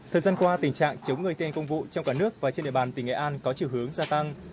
thời gian qua tình trạng chống người thi hành công vụ trong cả nước và trên địa bàn tỉnh nghệ an có chiều hướng gia tăng